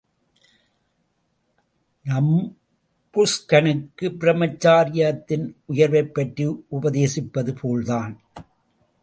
நபும்ஸ்கனுக்கு பிரமச்சரியத்தின் உயர்வைப் பற்றி உபதேசிப்பது போல்தான்.